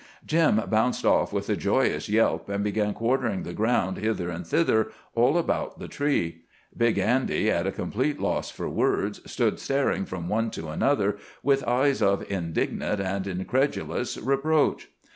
Jim bounced off with a joyous yelp, and began quartering the ground, hither and thither, all about the tree. Big Andy, at a complete loss for words, stood staring from one to another with eyes of indignant and incredulous reproach.